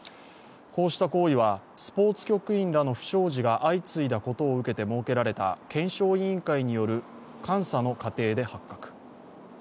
こうした行為は、スポーツ局員らの不祥事が相次いだことを受けて設けられた検証委員会による監査の過程で発覚。